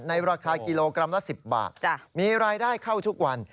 ราคากิโลกรัมละ๑๐บาทมีรายได้เข้าทุกวัน